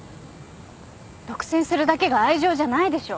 独占するだけが愛情じゃないでしょ。